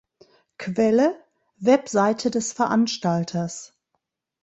Quelle: Website des Veranstalters